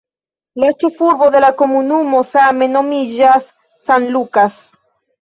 La ĉefurbo de la komunumo same nomiĝas "San Lucas".